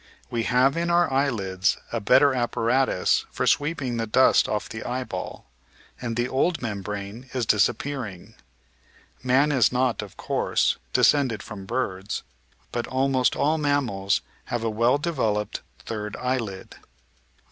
We have in our eyelids a better apparatus for sweeping the dust off the eyeball, and the old membrane is disappearing. Man is not, of course, descended from birds, but almost all mammals have a well developed third eyelid.